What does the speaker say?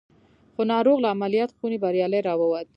خو ناروغ له عمليات خونې بريالي را ووت.